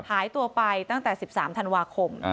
หายตัวไปตั้งแต่๑๓ธันวาคม